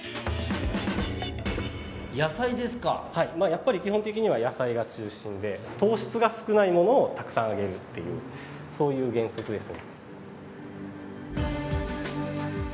やっぱり基本的には野菜が中心で糖質が少ないものをたくさんあげるっていうそういう原則です。